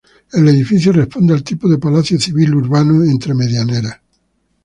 El edificio responde al tipo de palacio civil urbano entre medianeras.